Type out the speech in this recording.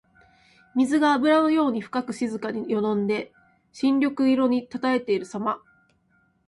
水があぶらのように深く静かによどんで深緑色にたたえているさま。